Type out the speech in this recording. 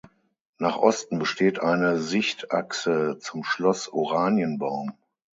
Nach Osten besteht eine Sichtachse zum Schloss Oranienbaum.